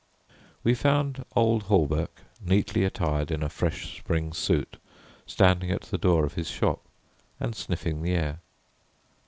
We found old Hawberk, neatly attired in a fresh spring suit, standing at the door of his shop and sniffing the air.